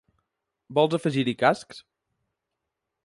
Vols afegir-hi cascs?